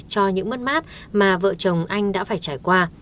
cho những mất mát mà vợ chồng anh đã phải trải qua